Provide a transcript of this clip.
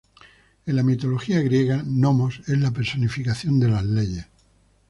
En la mitología griega, "Nomos" es la personificación de las leyes.